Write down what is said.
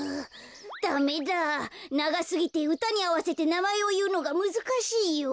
ダメだながすぎてうたにあわせてなまえをいうのがむずかしいよ。